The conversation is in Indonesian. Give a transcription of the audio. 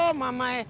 aduh siom mamae